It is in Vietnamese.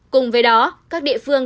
cùng với đó các địa phương